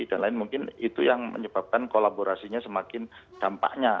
dan lain mungkin itu yang menyebabkan kolaborasinya semakin dampaknya